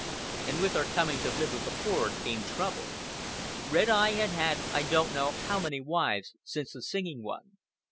And with our coming to live with the horde came trouble. Red Eye had had I don't know how many wives since the Singing One.